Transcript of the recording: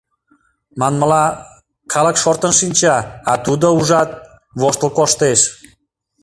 Манмыла, калык шортын шинча, а тудо, ужат, воштыл коштеш.